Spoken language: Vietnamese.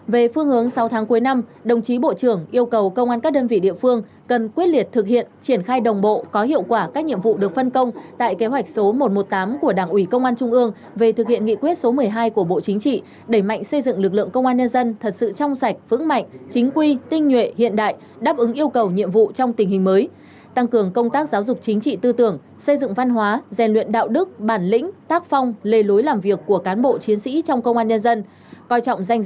về phương hướng sáu tháng cuối năm đồng chí bộ trưởng yêu cầu công an các đơn vị địa phương cần quyết liệt thực hiện triển khai đồng bộ có hiệu quả các nhiệm vụ được phân công tại kế hoạch số một trăm một mươi tám của đảng ủy công an trung ương về thực hiện nghị quyết số một mươi hai của bộ chính trị đẩy mạnh xây dựng lực lượng công an nhân dân thật sự trong sạch vững mạnh chính quy tinh nhuệ hiện đại đáp ứng yêu cầu nhiệm vụ trong tình hình mới tăng cường công tác giáo dục chính trị tư tưởng xây dựng văn hóa gian luyện đạo đức bản lĩnh tác ph